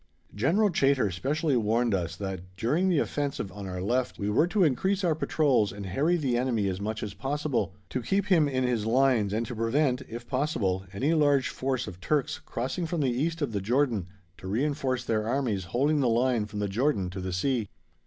General Chaytor specially warned us that, during the offensive on our left, we were to increase our patrols and harry the enemy as much as possible, to keep him in his lines and to prevent, if possible, any large force of Turks crossing from the East of the Jordan to reinforce their armies holding the line from the Jordan to the sea.